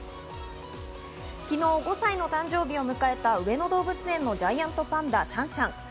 昨日５歳の誕生日を迎えた上野動物園のジャイアントパンダ、シャンシャン。